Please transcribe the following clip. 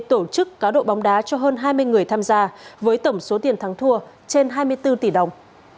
tổ chức cá độ bóng đá cho hơn hai mươi người tham gia với tổng số tiền thắng thua trên hai mươi bốn tỷ đồng